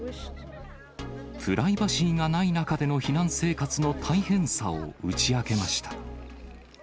プライバシーがない中での避難生活の大変さを打ち明けました。